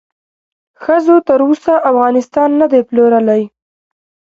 ښځو تر اوسه افغانستان ندې پلورلی